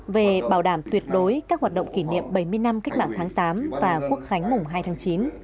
về bảo đảm tuyệt đối các hoạt động kỷ niệm bảy mươi năm cách mạng tháng tám và quốc khánh mùng hai tháng chín